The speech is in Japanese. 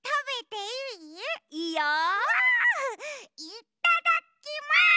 いっただきます！